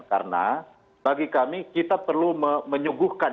karena bagi kami kita perlu menyuguhkan